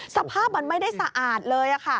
สภาพมันไม่ได้สะอาดเลยค่ะ